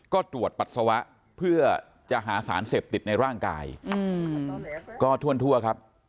ก็ตรวจปัสสาวะเพื่อจะหาสารเสพติดในร่างกายก็ทั่วครับ